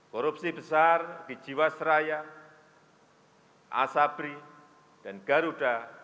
korupsi besar di jiwasraya asabri dan garuda